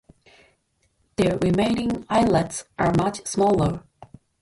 The remaining islets are much smaller.